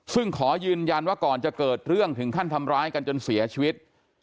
ซึ่งขอยืนยันว่าก่อนจะเกิดเรื่องถึงขั้นทำร้ายกันจนเสียชีวิต